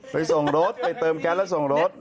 ไปส่งรถไปเติมแก๊สแล้วส่งรถ